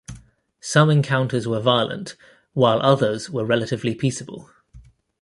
Some encounters were violent, while others were relatively peaceable.